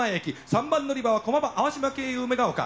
３番乗り場は駒場淡島経由梅ヶ丘。